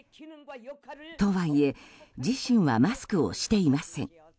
とはいえ自身はマスクをしていません。